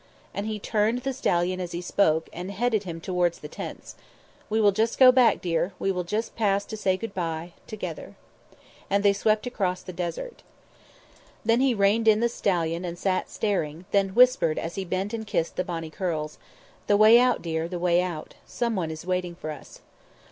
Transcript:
And he turned the stallion as he spoke and headed him towards the tents. "We will just go back, dear; we will just pass to say goodbye together." And they swept across the desert. Then he reined in the stallion and sat staring, then whispered, as he bent and kissed the bonny curls: "The way out, dear; the way out. Someone is waiting for us."